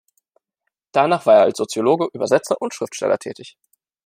Danach war er als Soziologe, Übersetzer und Schriftsteller tätig.